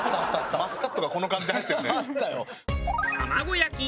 マスカットがこの感じで入ってるね。